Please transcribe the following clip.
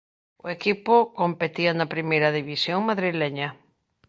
O equipo competía na Primeira División Madrileña.